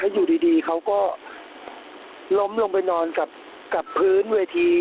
อยู่ดีเขาก็ล้มลงไปนอนกับพื้นเวที